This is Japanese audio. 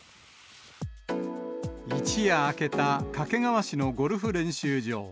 一夜明けた掛川市のゴルフ練習場。